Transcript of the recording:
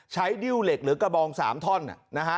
ดิ้วเหล็กหรือกระบอง๓ท่อนนะฮะ